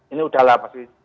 ini udahlah pasti